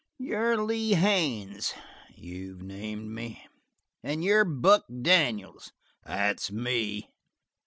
"You're Lee Haines?" "You've named me." "And you're Buck Daniels?" "That's me."